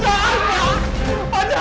bala bala pak